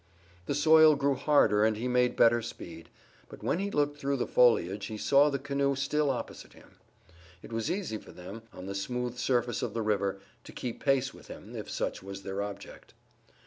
The soil grew harder and he made better speed, but when he looked through the foliage he saw the canoe still opposite him. It was easy for them, on the smooth surface of the river, to keep pace with him, if such was their object.